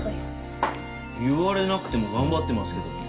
言われなくても頑張ってますけど。